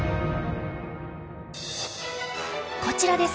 こちらです。